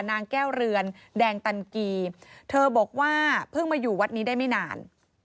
นางแก้วเรือนแดงตันกีเธอบอกว่าเพิ่งมาอยู่วัดนี้ได้ไม่นาน